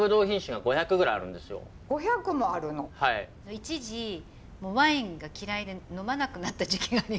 一時ワインが嫌いで呑まなくなった時期があります。